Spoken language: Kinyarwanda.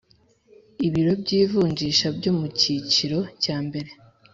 Ibiro by ivunjisha byo mu cyicyiro cya mbere